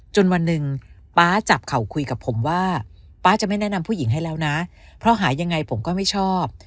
วันหนึ่งป๊าจับเข่าคุยกับผมว่าป๊าจะไม่แนะนำผู้หญิงให้แล้วนะเพราะหายังไงผมก็ไม่ชอบ